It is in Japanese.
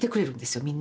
みんなが。